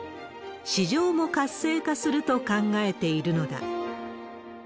市場も活性化すると考えているのだ。